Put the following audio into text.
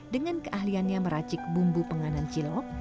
dengan keahliannya meracik bumbu penganan cilok